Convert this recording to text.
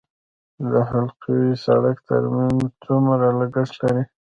د حلقوي سړک ترمیم څومره لګښت لري؟